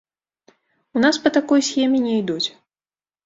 У нас па такой схеме не ідуць.